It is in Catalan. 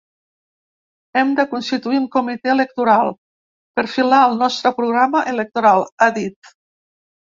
Hem de constituir un comitè electoral, perfilar el nostre programa electoral, ha dit.